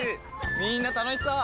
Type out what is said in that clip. みんな楽しそう！